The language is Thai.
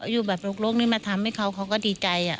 อยู่แบบโลกนี้มาทำให้เขาเขาก็ดีใจ